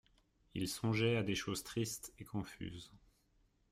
Il songeait à des choses tristes et confuses.